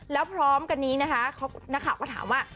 แล้วพร้อมกันนี้นะคะนักข่าวก็ถามว่า